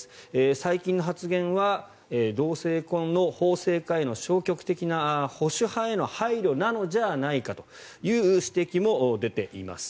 最近の発言は同性婚の法制化への消極的な保守派への配慮なんじゃないかという指摘も出ています。